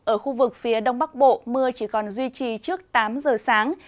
ở khu vực phía đông bắc bộ mưa chỉ còn duy trì trước tám giờ sáng